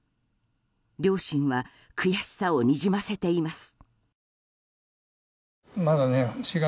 両親は悔しさをにじませています。